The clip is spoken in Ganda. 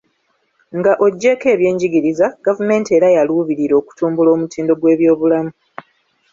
Nga oggyeko ebyenjigiriza, gavumenti era yaluubirira okutumbula omutindo gw'ebyobulamu.